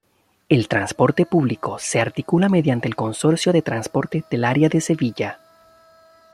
El transporte público se articula mediante el Consorcio de Transportes del Área de Sevilla.